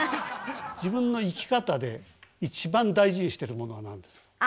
自分の生き方で一番大事にしてるものは何ですか？